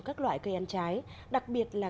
các loại cây ăn trái đặc biệt là